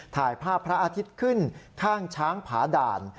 ถ่ายภาพพระอาทิตย์ขึ้นข้างช้างผาด่าน